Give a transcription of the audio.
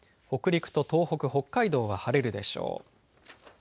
北陸と東北、北海道は晴れるでしょう。